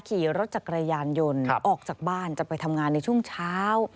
ขี่รถจักรยานยนต์ออกจากบ้านจะไปทำงานในช่วงเช้า